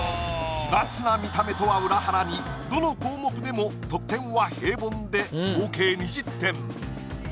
奇抜な見た目とは裏腹にどの項目でも得点は平凡で合計２０点。